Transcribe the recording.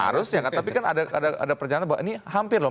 harusnya tapi kan ada perjalanan bahwa ini hampir loh